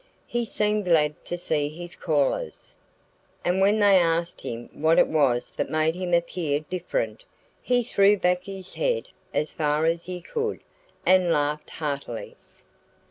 He seemed glad to see his callers. And when they asked him what it was that made him appear different, he threw back his head, as far as he could, and laughed heartily.